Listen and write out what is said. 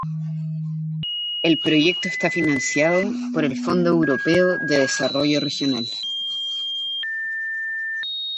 El Proyecto está financiado por el Fondo Europeo de Desarrollo Regional.